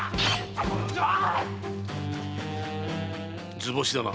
図星だな。